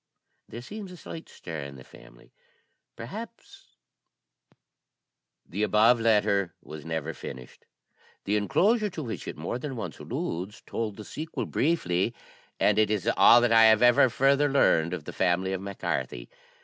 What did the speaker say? There seems a slight stir in the family; perhaps " The above letter was never finished. The enclosure to which it more than once alludes told the sequel briefly, and it is all that I have further learned of the family of Mac Carthy.